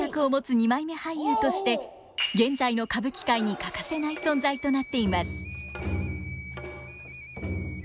二枚目俳優として現在の歌舞伎界に欠かせない存在となっています。